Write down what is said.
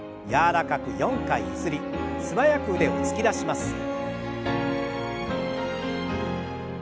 柔らかく４回ゆすり素早く腕を突き出します。